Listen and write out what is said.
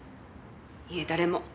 いえ誰も。